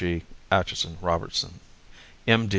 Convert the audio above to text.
G. AITCHISON ROBERTSON M.